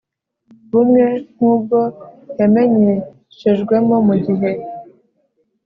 Bumwe nk ubwo yamenyeshejwemo mu gihe